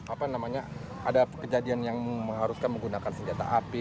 apa namanya ada kejadian yang mengharuskan menggunakan senjata api